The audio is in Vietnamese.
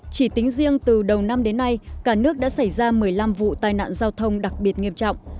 chỉ tính riêng từ đầu năm đến nay cả nước đã xảy ra một mươi năm vụ tai nạn giao thông đặc biệt nghiêm trọng